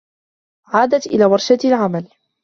عادت إلى ورشة العمل.